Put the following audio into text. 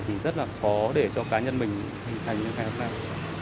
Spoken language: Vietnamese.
thì rất là khó để cho cá nhân mình thành thành như thế hôm nay